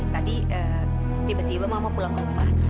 tadi tiba tiba mama pulang ke rumah